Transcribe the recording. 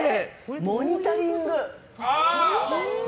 「モニタリング」。